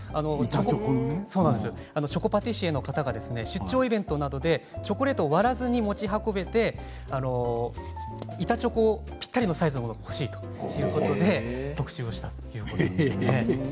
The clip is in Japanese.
チョコパティシエの方が出張イベントなどでチョコレートを割らずに持ち運べて板チョコぴったりのサイズのものが欲しいということで特注をしたということなんです。